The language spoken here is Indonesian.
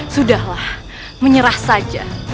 sudahlah menyerah saja